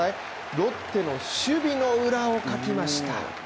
ロッテの守備の裏をかきました。